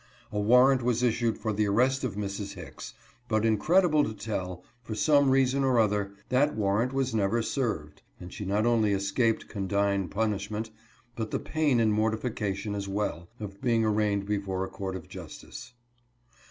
A war rant was issued for the arrest of Mrs. Hicks, but incredi ble to tell, for some reason or other, that warrant was never served, and she not only escaped condign punish ment, but the pain and mortification as well, of being arraigned before a court of justice.